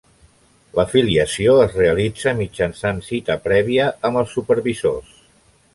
L'afiliació es realitza mitjançant cita prèvia amb els supervisors.